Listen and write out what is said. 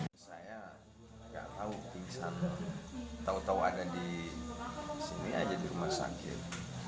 pingsan tau tau ada di sini aja di rumah sakit